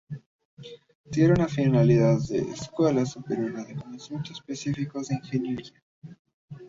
Tiene una finalidad de escuela superior de conocimientos específicos de ingeniería.